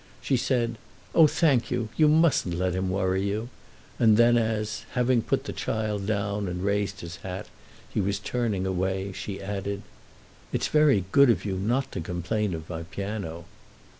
She said, "Oh, thank you—you mustn't let him worry you"; and then as, having put down the child and raised his hat, he was turning away, she added: "It's very good of you not to complain of my piano."